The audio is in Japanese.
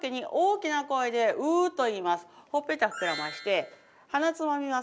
ほっぺた膨らまして鼻つまみます。